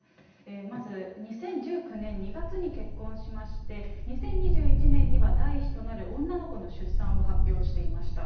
まず２０１９年２月に結婚しまして、２０２１年には第１子となる女の子の出産を発表していました。